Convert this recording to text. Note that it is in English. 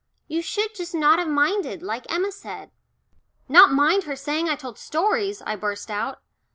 You should just not have minded like Emma said." "Not mind her saying I told stories!" I burst out.